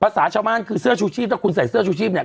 ชาวบ้านคือเสื้อชูชีพถ้าคุณใส่เสื้อชูชีพเนี่ย